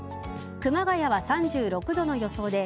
熊谷は３６度の予想で